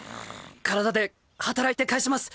体で働いて返します。